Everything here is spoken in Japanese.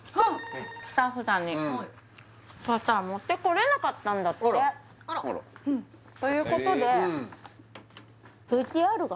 スタッフさんにそしたら持ってこれなかったんだってあらということでＶＴＲ？